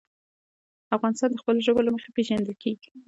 افغانستان د خپلو ژبو له مخې پېژندل کېږي.